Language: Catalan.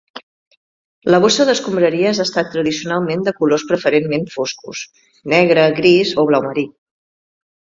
La bossa d'escombraries ha estat tradicionalment de colors preferentment foscos: negre, gris o blau marí.